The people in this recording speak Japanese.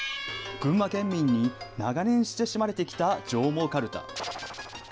群馬県民に長年親しまれてきた上毛かるた。